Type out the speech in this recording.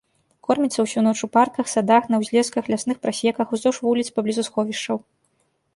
Корміцца ўсю ноч у парках, садах, на ўзлесках, лясных прасеках, уздоўж вуліц паблізу сховішчаў.